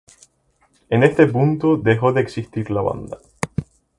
En este punto dejó de existir la banda.